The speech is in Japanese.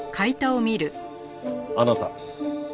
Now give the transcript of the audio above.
あなた。